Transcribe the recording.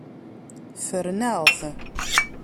Ffren-aɣ-t.